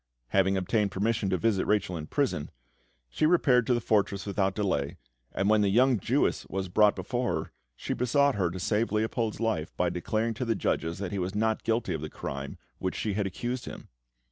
Having obtained permission to visit Rachel in prison, she repaired to the fortress without delay, and when the young Jewess was brought before her, she besought her to save Leopold's life by declaring to the judges that he was not guilty of the crime of which she had accused him.